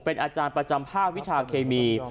เป็นอาจารย์ประจำภาควิชาเคมี